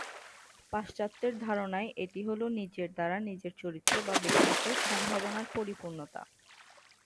পাশ্চাত্যের ধারণায় এটি হল "নিজের দ্বারা নিজের চরিত্র বা ব্যক্তিত্বের সম্ভাবনার পরিপূর্ণতা"।